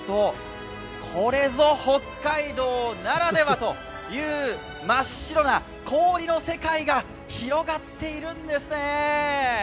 これぞ北海道ならではという真っ白な氷の世界が広がっているんですね。